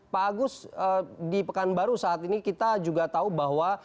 pak agus di pekanbaru saat ini kita juga tahu bahwa